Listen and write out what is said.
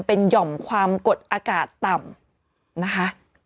เป็นหย่อมความกดอากาศต่ำนะคะ